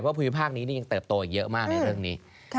ภูมิภาคนี้นี่ยังเติบโตเยอะมากในเรื่องนี้